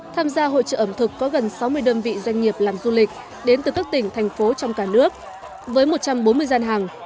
tham gia hội trợ ẩm thực có gần sáu mươi đơn vị doanh nghiệp làm du lịch đến từ các tỉnh thành phố trong cả nước với một trăm bốn mươi gian hàng